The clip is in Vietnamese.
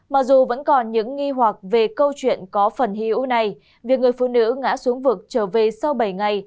mặc dù vẫn còn những nghi hoặc về câu chuyện có phần hyu này việc người phụ nữ ngã xuống vực trở về sau bảy ngày